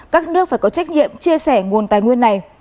các nước phải có trách nhiệm chia sẻ nguồn tài nguyên này